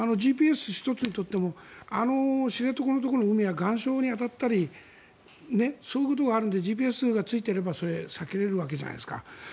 ＧＰＳ１つ取っても知床のところの海は岩礁に当たったりそういうことがあるのでＧＰＳがついていればそれを避けられるわけじゃないですか。